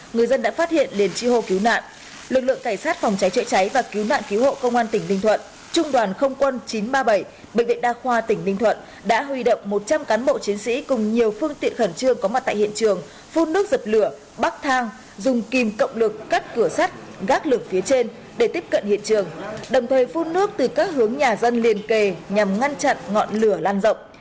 người dân đã phát hiện liền tri hô cứu nạn lực lượng cảnh sát phòng cháy chạy cháy và cứu nạn cứu hộ công an tỉnh ninh thuận trung đoàn không quân chín trăm ba mươi bảy bệnh viện đa khoa tỉnh ninh thuận đã huy động một trăm linh cán bộ chiến sĩ cùng nhiều phương tiện khẩn trương có mặt tại hiện trường phun nước giật lửa bắt thang dùng kìm cộng lực cắt cửa sắt gác lực phía trên để tiếp cận hiện trường đồng thời phun nước từ các hướng nhà dân liền kề nhằm ngăn chặn ngọn lửa lan rộng